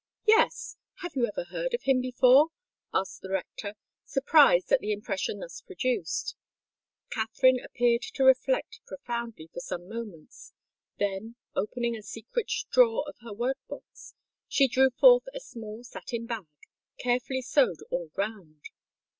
"Yes. Have you ever heard of him before?" asked the rector, surprised at the impression thus produced. Katherine appeared to reflect profoundly for some moments; then, opening a secret drawer of her work box, she drew forth a small satin bag, carefully sewed all round.